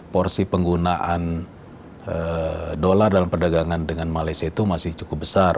porsi penggunaan dolar dalam perdagangan dengan malaysia itu masih cukup besar